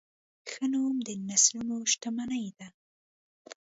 ښه نوم د نسلونو شتمني ده.